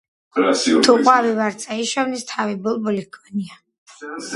თუ ყვავი ვარდსა იშოვნის, თავი ბულბული ჰგონია